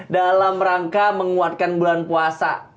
dalam rangka menguatkan bulan puasa